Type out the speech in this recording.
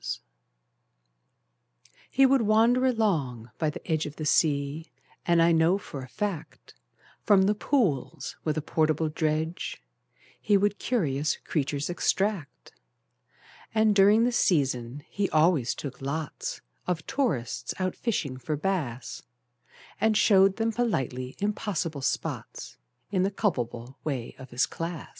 He would wander along by the edge Of the sea, and I know for a fact From the pools with a portable dredge He would curious creatures extract: And, during the season, he always took lots Of tourists out fishing for bass, And showed them politely impossible spots, In the culpable way of his class.